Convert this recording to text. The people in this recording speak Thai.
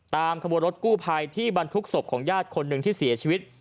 ขบวนรถกู้ภัยที่บรรทุกศพของญาติคนหนึ่งที่เสียชีวิต